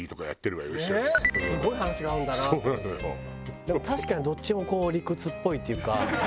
でも確かにどっちもこう理屈っぽいっていうか。